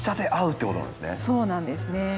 そうなんですね。